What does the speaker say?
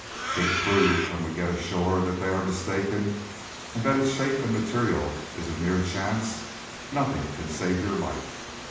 Should it prove when we get ashore that they are mistaken, and that its shape and material is a mere chance, nothing can save your life.